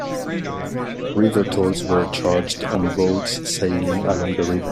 River tolls were charged on boats sailing along the river.